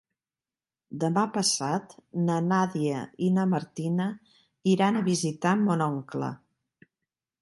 Demà passat na Nàdia i na Martina iran a visitar mon oncle.